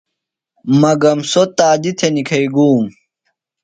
مگم سوۡ تادیۡ تھےۡ نِکھئیۡ گُوۡم۔